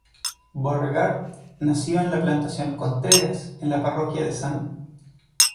Beauregard nació en la plantación ""Contreras"" en la parroquia de St.